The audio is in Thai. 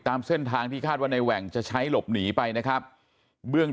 ตามเส้นทางที่คาดว่าในแหว่งจะใช้หลบหนีไปนะครับเบื้อง